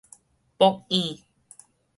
暴蘖